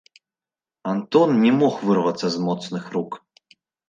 Антон не мог вырвацца з моцных рук.